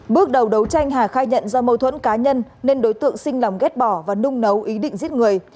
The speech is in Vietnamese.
bước đầu đấu tranh hà khai nhận do mâu thuẫn cá nhân nên đối tượng sinh lòng ghép bỏ và nung nấu ý định giết người